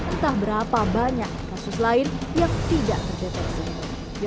entah berapa banyak kasus lain yang tidak terdeteksi